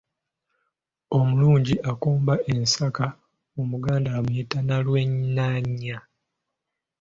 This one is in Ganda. Omulungi akomba ensaka omuganda amuyita Nnalwenaanya.